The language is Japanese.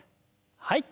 はい。